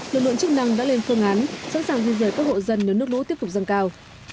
lực lượng chức năng đã lên phương án sẵn sàng di rời các hộ dân nếu nước lũ tiếp tục dâng cao